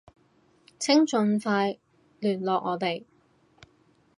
請盡快聯絡我哋